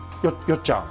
よっちゃん。